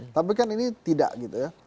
tapi kan ini tidak gitu ya